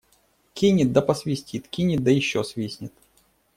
Кинет да посвистит, кинет да еще свистнет.